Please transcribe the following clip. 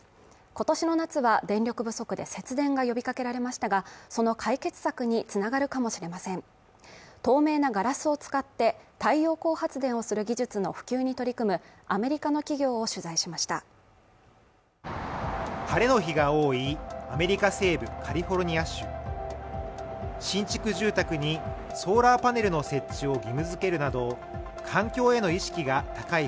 今年の夏は電力不足で節電が呼びかけられましたがその解決策につながるかもしれません透明なガラスを使って太陽光発電をする技術の普及に取り組むアメリカの企業を取材しました晴れの日が多いアメリカ西部カリフォルニア州新築住宅にソーラーパネルの設置を義務づけるなど環境への意識が高い